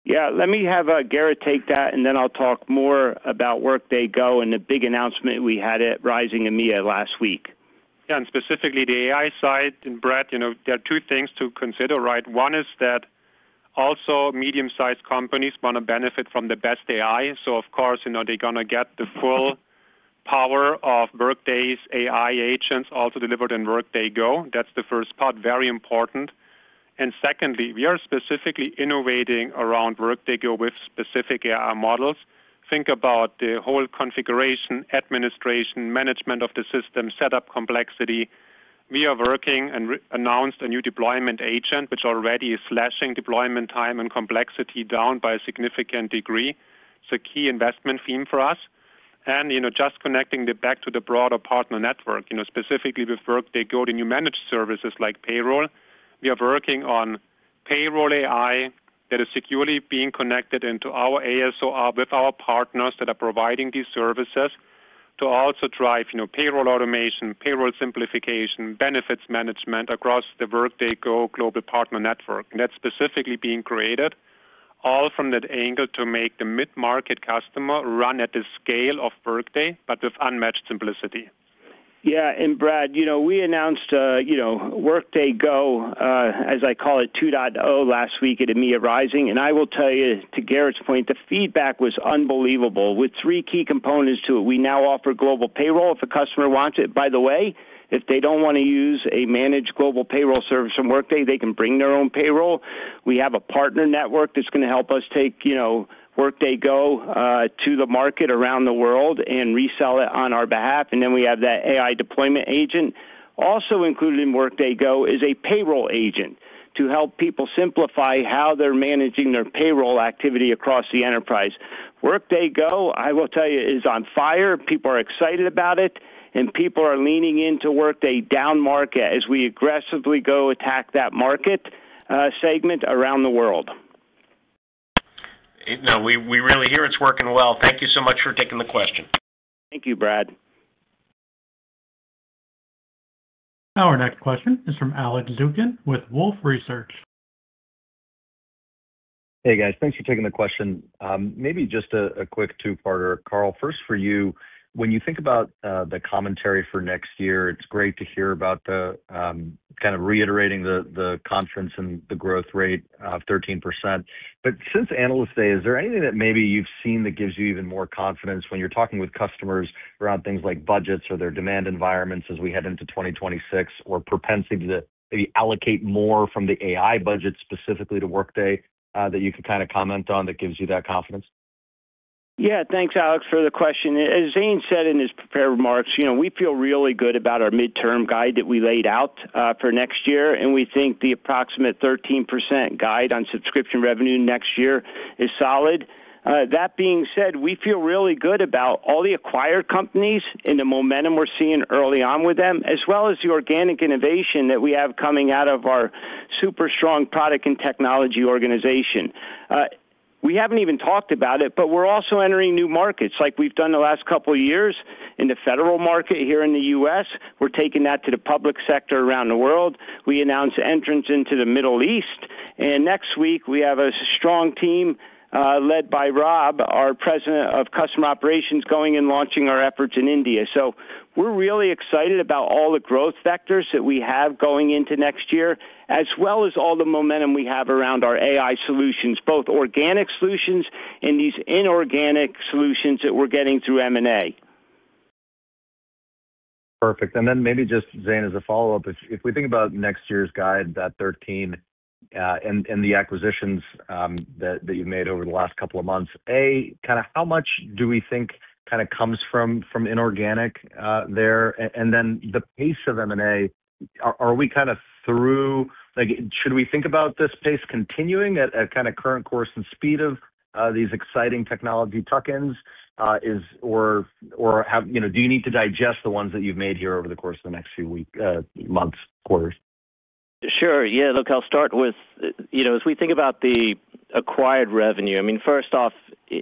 Yeah. Let me have Gerrit take that, and then I'll talk more about Workday Go and the big announcement we had at Rising EMEA last week. Yeah. Specifically the AI side. Brad, there are two things to consider, right? One is that also medium-sized companies want to benefit from the best AI. Of course, they're going to get the full power of Workday's AI agents also delivered in Workday Go. That's the first part, very important. Secondly, we are specifically innovating around Workday Go with specific AI models. Think about the whole configuration, administration, management of the system, setup complexity. We are working and announced a new Deployment Agent, which already is slashing deployment time and complexity down by a significant degree. It's a key investment theme for us. Just connecting it back to the broader Partner Network, specifically with Workday Go to new Managed Services like Payroll. We are working on Payroll AI that is securely being connected into our ASOR with our partners that are providing these services to also drive Payroll Automation, Payroll Simplification, Benefits Management across the Workday Go Global Partner Network. That's specifically being created all from that angle to make the mid-market customer run at the scale of Workday, but with unmatched simplicity. Yeah. Brad, we announced Workday Go, as I call it, 2.0 last week at EMEA Rising. I will tell you, to Gerrit's point, the feedback was unbelievable. With three key components to it, we now offer Global Payroll if a customer wants it. By the way, if they do not want to use a managed Global Payroll service from Workday, they can bring their own payroll. We have a Partner Network that's going to help us take Workday Go to the market around the world and resell it on our behalf. We have that AI Deployment Agent. Also included in Workday Go is a Payroll Agent to help people simplify how they're managing their Payroll Activity across the enterprise. Workday Go, I will tell you, is on fire. People are excited about it, and people are leaning into Workday down market as we aggressively go attack that market segment around the world. No, we really hear it's working well. Thank you so much for taking the question. Thank you, Brad. Our next question is from Alex Zukin with Wolfe Research. Hey, guys. Thanks for taking the question. Maybe just a quick two-parter, Carl. First, for you, when you think about the commentary for next year, it's great to hear about the kind of reiterating the conference and the growth rate of 13%. Since Analyst Day, is there anything that maybe you've seen that gives you even more confidence when you're talking with customers around things like budgets or their demand environments as we head into 2026 or propensity to maybe allocate more from the AI budget specifically to Workday that you can kind of comment on that gives you that confidence? Yeah. Thanks, Alex, for the question. As Zane said in his prepared remarks, we feel really good about our midterm guide that we laid out for next year. We think the approximate 13% guide on subscription revenue next year is solid. That being said, we feel really good about all the acquired companies and the momentum we're seeing early on with them, as well as the organic innovation that we have coming out of our super strong Product and Technology organization. We have not even talked about it, but we are also entering new markets like we have done the last couple of years in the Federal Market here in the U.S. We are taking that to the Public Sector around the world. We announced entrance into the Middle East. Next week, we have a strong team led by Rob, our President of Customer Operations, going and launching our efforts in India. We are really excited about all the growth vectors that we have going into next year, as well as all the momentum we have around our AI solutions, both organic solutions and these inorganic solutions that we are getting through M&A. Perfect. Maybe just, Zane, as a follow-up, if we think about next year's guide, that 13% and the acquisitions that you've made over the last couple of months, a kind of how much do we think kind of comes from inorganic there? The pace of M&A, are we kind of through? Should we think about this pace continuing at kind of current course and speed of these exciting technology tuck-ins? Or do you need to digest the ones that you've made here over the course of the next few months, quarters? Sure. Yeah. Look, I'll start with, as we think about the acquired revenue, I mean, first off,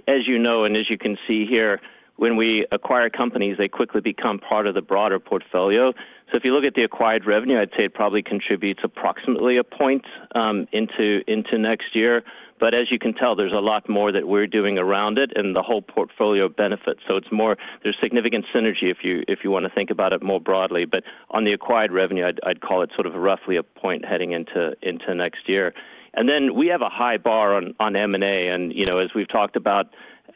as you know and as you can see here, when we acquire companies, they quickly become part of the broader portfolio. If you look at the acquired revenue, I'd say it probably contributes approximately a point into next year. As you can tell, there's a lot more that we're doing around it and the whole portfolio benefits. There's significant synergy if you want to think about it more broadly. On the acquired revenue, I'd call it sort of roughly a point heading into next year. We have a high bar on M&A. As we've talked about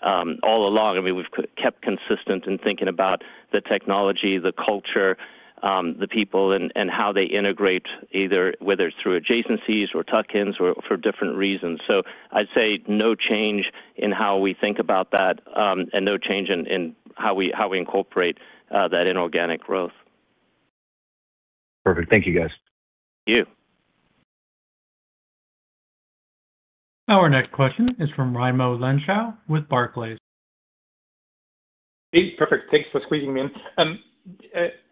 all along, I mean, we've kept consistent in thinking about the technology, the culture, the people, and how they integrate, either whether it's through adjacencies or tuck-ins or for different reasons. I'd say no change in how we think about that and no change in how we incorporate that inorganic growth. Perfect. Thank you, guys. Thank you. Our next question is from Raimo Lenschow with Barclays. Hey, perfect. Thanks for squeezing me in.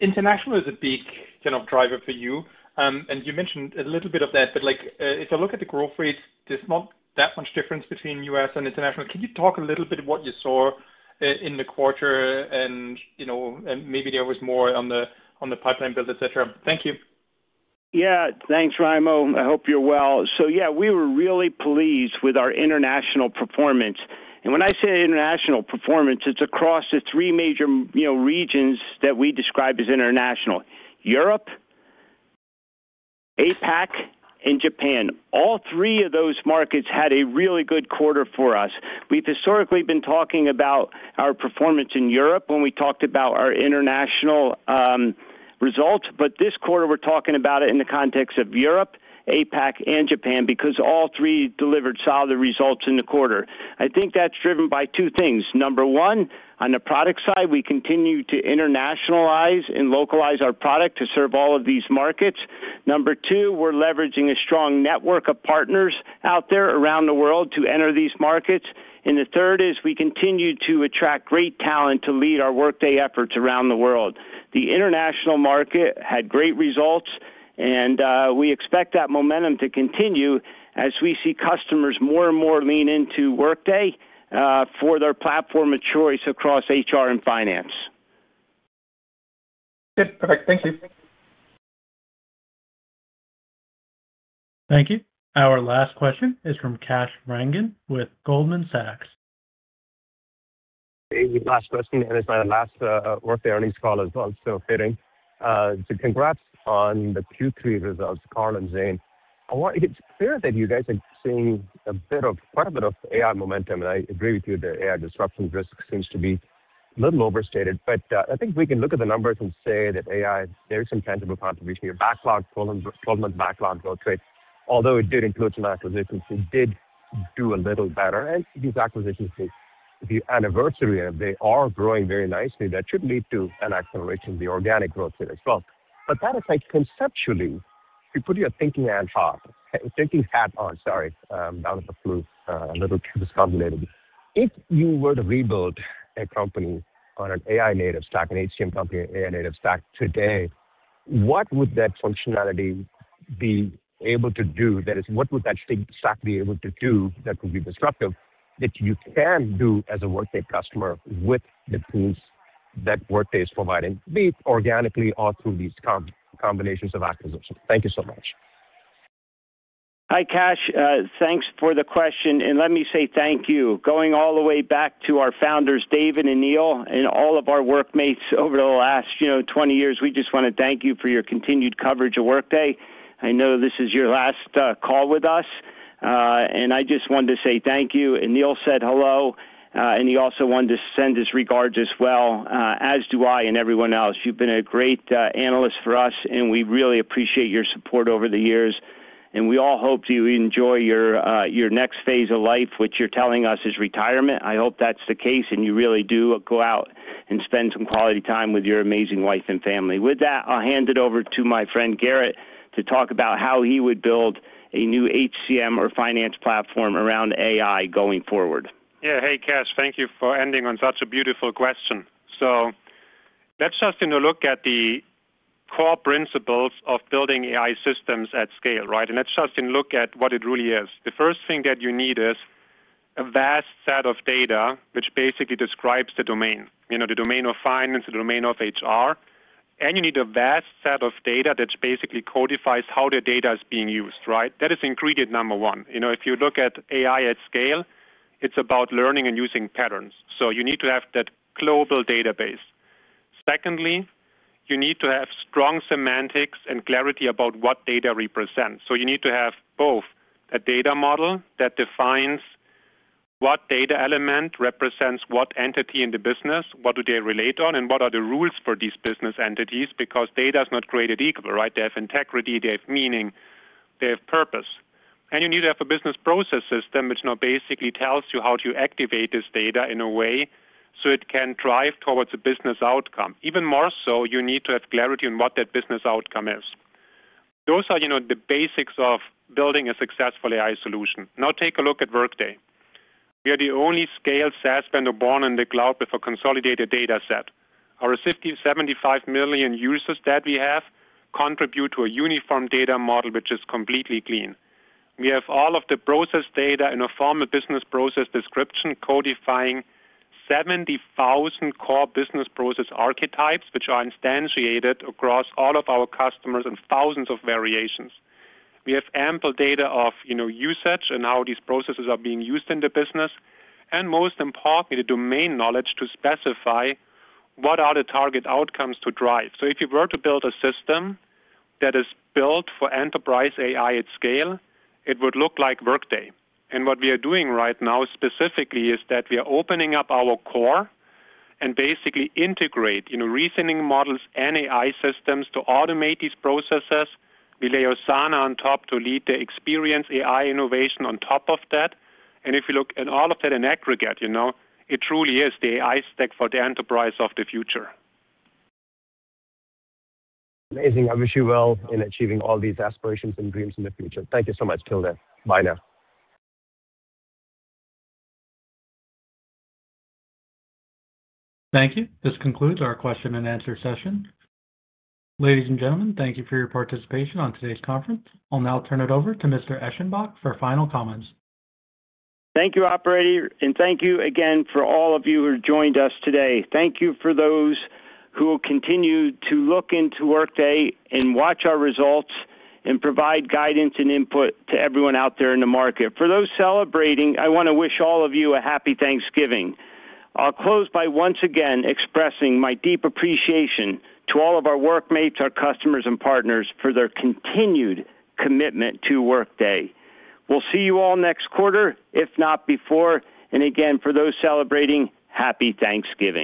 International is a big kind of driver for you. And you mentioned a little bit of that, but if you look at the growth rates, there's not that much difference between U.S. and International. Can you talk a little bit of what you saw in the quarter? And maybe there was more on the pipeline build, etc. Thank you. Yeah. Thanks, Raimo. I hope you're well. So yeah, we were really pleased with our international performance. And when I say international performance, it's across the three major regions that we describe as International: Europe, APAC, and Japan. All three of those markets had a really good quarter for us. We've historically been talking about our performance in Europe when we talked about our International results. This quarter, we're talking about it in the context of Europe, APAC, and Japan because all three delivered solid results in the quarter. I think that's driven by two things. Number one, on the product side, we continue to internationalize and localize our product to serve all of these markets. Number two, we're leveraging a strong network of partners out there around the world to enter these markets. The third is we continue to attract great talent to lead our Workday efforts around the world. The international market had great results, and we expect that momentum to continue as we see customers more and more lean into Workday for their platform of choice across HR and Finance. Good. Perfect. Thank you. Thank you. Our last question is from Kash Rangan with Goldman Sachs. Hey, last question. And it's my last Workday Earnings Call as well. So fitting. So congrats on the Q3 results, Carl and Zane. It's clear that you guys are seeing quite a bit of AI momentum. I agree with you, the AI disruption risk seems to be a little overstated. I think we can look at the numbers and say that AI, there's some tangible contribution. Your backlog, 12-month backlog growth rate, although it did include some acquisitions, it did do a little better. These acquisitions, if you anniversary them, they are growing very nicely. That should lead to an acceleration of the organic growth rate as well. That is like conceptually, if you put your thinking hat on, thinking hat on, sorry, I'm down with the flu, a little discombinative. If you were to rebuild a company on an AI-native stack, an HCM company, an AI-native stack today, what would that functionality be able to do? That is, what would that stack be able to do that would be disruptive that you can do as a Workday customer with the tools that Workday is providing, be it organically or through these combinations of acquisitions? Thank you so much. Hi, Kash. Thanks for the question. Let me say thank you. Going all the way back to our founders, David and Neil, and all of our workmates over the last 20 years, we just want to thank you for your continued coverage of Workday. I know this is your last call with us. I just wanted to say thank you. Neil said hello. He also wanted to send his regards as well, as do I and everyone else. You've been a great analyst for us, and we really appreciate your support over the years. We all hope you enjoy your next phase of life, which you're telling us is retirement. I hope that's the case, and you really do go out and spend some quality time with your amazing wife and family. With that, I'll hand it over to my friend Gerrit to talk about how he would build a new HCM or finance platform around AI going forward. Yeah. Hey, Kash, thank you for ending on such a beautiful question. Let's just look at the core principles of building AI systems at scale, right? Let's just look at what it really is. The first thing that you need is a vast set of data, which basically describes the domain, the domain of Finance, the domain of HR. You need a vast set of data that basically codifies how the data is being used, right? That is ingredient number one. If you look at AI at scale, it's about learning and using patterns. You need to have that global database. Secondly, you need to have strong semantics and clarity about what data represents. You need to have both a data model that defines what data element represents what entity in the business, what they relate on, and what are the rules for these business entities because data is not created equal, right? They have integrity, they have meaning, they have purpose. You need to have a Business Process System which now basically tells you how to activate this data in a way so it can drive towards a business outcome. Even more so, you need to have clarity on what that business outcome is. Those are the basics of building a successful AI solution. Now take a look at Workday. We are the only scale SaaS vendor born in the cloud with a consolidated data set. Our 75 million users that we have contribute to a uniform data model which is completely clean. We have all of the process data in a formal Business Process Description codifying 70,000 core business process archetypes which are instantiated across all of our customers and thousands of variations. We have ample data of usage and how these processes are being used in the business. Most importantly, the domain knowledge to specify what are the target outcomes to drive. If you were to build a system that is built for Enterprise AI at scale, it would look like Workday. What we are doing right now specifically is that we are opening up our core and basically integrating reasoning models and AI systems to automate these processes. We lay Osana on top to lead the experience AI innovation on top of that. If you look at all of that in aggregate, it truly is the AI stack for the enterprise of the future. Amazing. I wish you well in achieving all these aspirations and dreams in the future. Thank you so much, Till then. Bye now. Thank you. This concludes our question and answer session. Ladies and gentlemen, thank you for your participation on today's conference. I'll now turn it over to Mr. Eschenbach for final comments. Thank you, Operator. Thank you again for all of you who joined us today. Thank you for those who will continue to look into Workday and watch our results and provide guidance and input to everyone out there in the market. For those celebrating, I want to wish all of you a happy Thanksgiving. I'll close by once again expressing my deep appreciation to all of our workmates, our customers, and partners for their continued commitment to Workday. We will see you all next quarter, if not before. Again, for those celebrating, happy Thanksgiving.